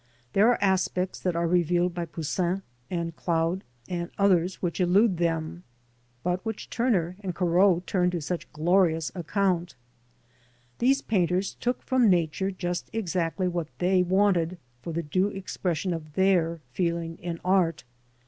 There are aspects that are revealed by Poussin and Claude, and others which elude them, but which Turner and Corot turned to such glorious account. These painters took from Nature just exactly what they wanted for the due expression of their feeling in art.